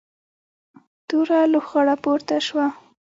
توره لوخړه پورته شوه.